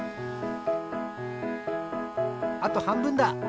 あとはんぶんだ。